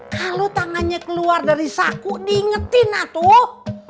kalau tangannya keluar dari saku diingetin natuwo